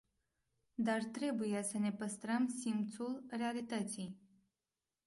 Dar trebuie să ne păstrăm simțul realității.